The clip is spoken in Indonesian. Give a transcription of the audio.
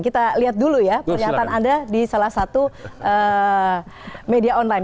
kita lihat dulu ya pernyataan anda di salah satu media online